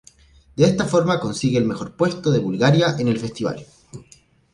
De esta forma consigue el mejor puesto de Bulgaria en el festival.